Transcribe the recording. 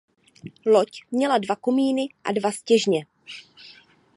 Lod měla dva komíny a dva stěžně.